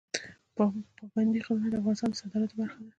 پابندی غرونه د افغانستان د صادراتو برخه ده.